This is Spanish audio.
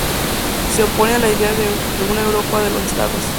Se opone a la idea de una Europa de los Estados.